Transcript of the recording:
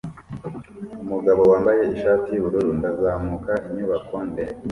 Umugabo wambaye ishati yubururu ndazamuka inyubako ndende